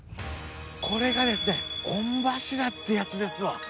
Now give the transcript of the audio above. これがですね御柱ってやつですわ。